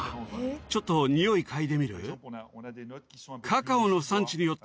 ちょっと匂い嗅いでみる？